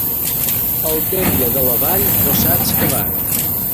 El temple de la Vall no s'ha excavat.